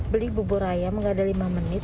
beli bubur ayam nggak ada lima menit